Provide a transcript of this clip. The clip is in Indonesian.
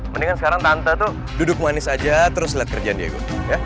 mendingan sekarang tante tuh duduk manis aja terus lihat kerjaan diego